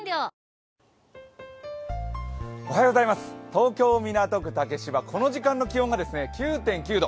東京・港区竹芝、この時間の気温が９．９度。